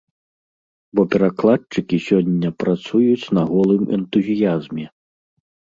Бо перакладчыкі сёння працуюць на голым энтузіязме.